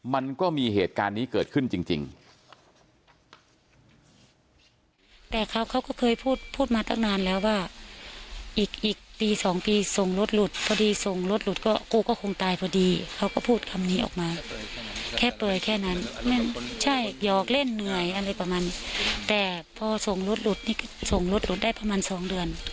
มันก็มีเหตุการณ์นี้เกิดขึ้นจริง